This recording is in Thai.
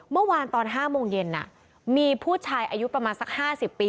เมื่อวานตอนห้าโมงเย็นอ่ะมีผู้ชายอายุประมาณสักห้าสิบปี